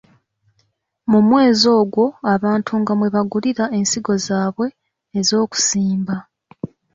Mu mwezi ogwo abantu nga mwebagulira ensigo zaabwe ez'okusimba.